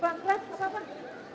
pak pak pak pak